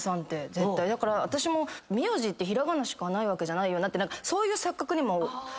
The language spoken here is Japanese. だから私も名字って平仮名しかないわけじゃないよなってそういう錯覚も起きたり。